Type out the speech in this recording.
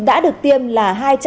đã được tiêm là